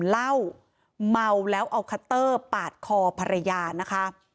เหล้าเมาแล้วเอาคัตเตอร์ปาดคอภรรยานะคะ